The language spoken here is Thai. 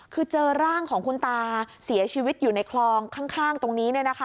คือเจอร่างของคุณตาเสียชีวิตอยู่ในคลองข้างตรงนี้